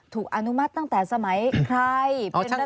อนุมัติตั้งแต่สมัยใคร